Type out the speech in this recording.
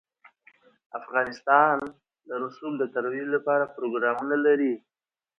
افغانستان د رسوب د ترویج لپاره پروګرامونه لري.